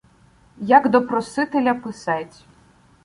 Як до просителя писець.